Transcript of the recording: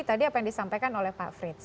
tadi apa yang disampaikan oleh pak frits